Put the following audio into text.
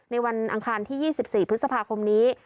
วันอังคารที่๒๔พฤษภาคมนี้